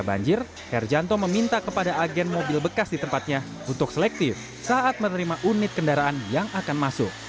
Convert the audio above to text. dan yang terakhir herjanto meminta kepada agen mobil bekas di tempatnya untuk selektif saat menerima unit kendaraan yang akan masuk